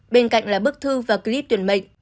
bên cạnh là bức thư và clip tuyển mệnh